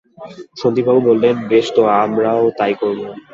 সন্দীপবাবু বললেন, বেশ তো আমরাও তাই করব।